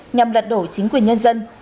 nhằm lật đổ chính quyền nhân dân